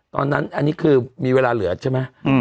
ตอนนั้นอันนี้คือมีเวลาเหลือใช่ไหม